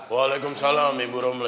waalaikumsalam ibu romli